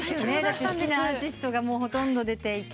好きなアーティストがほとんど出ていて。